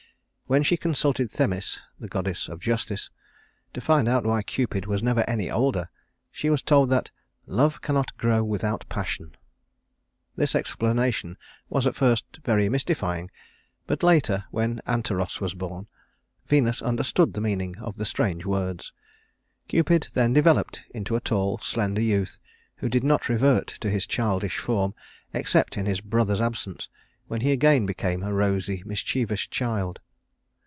When she consulted Themis, the goddess of Justice, to find out why Cupid was never any older, she was told that "Love cannot grow without Passion." This explanation was at first very mystifying; but later, when Anteros was born, Venus understood the meaning of the strange words. Cupid then developed into a tall slender youth who did not revert to his childish form except in his brother's absence, when he again became a rosy, mischievous child.